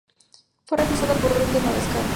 Fue reemplazada por "Revue de Madagascar"